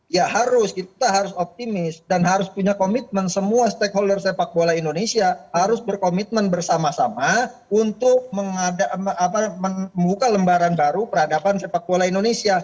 ya harus kita harus optimis dan harus punya komitmen semua stakeholder sepak bola indonesia harus berkomitmen bersama sama untuk membuka lembaran baru peradaban sepak bola indonesia